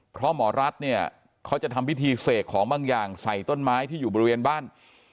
เพราะหมอรัฐเนี่ยเขาจะทำพิธีเสกของบางอย่างใส่ต้นไม้ที่อยู่บริเวณบ้าน